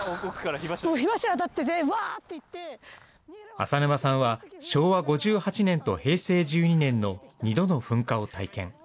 浅沼さんは、昭和５８年と平成１２年の２度の噴火を体験。